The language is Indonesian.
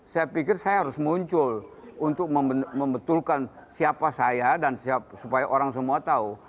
saya pikir saya harus muncul untuk membetulkan siapa saya dan supaya orang semua tahu